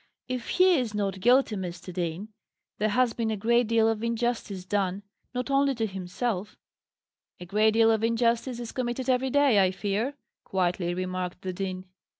"If he is not guilty, Mr. Dean, there has been a great deal of injustice done not only to himself " "A great deal of injustice is committed every day, I fear," quietly remarked the dean.